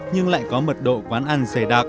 nhưng lại có mật độ quán ăn dày đặc